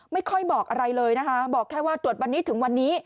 ไม่ค่อยบอกอะไรเลยนะคะบอกแค่ว่าตรวจวันนี้ถึงวันนี้